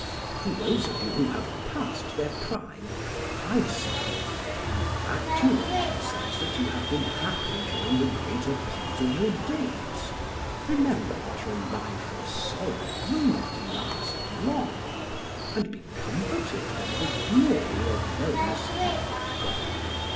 To those of you who have passed their prime, I say: 'Congratulate yourselves that you have been happy during the greater part of your days; remember that your life of sorrow will not last long, and be comforted by the glory of those who are gone.